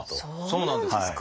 そうなんですか！